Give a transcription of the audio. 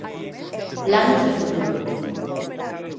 Planos de futuro